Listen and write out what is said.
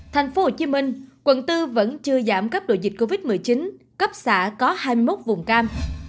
tp hcm quận bốn vẫn chưa giảm cấp độ dịch covid một mươi chín cấp xã có hai mươi một vùng cam